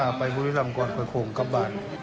กลับไปบุริลำก่อนคงไปพากินบ้าน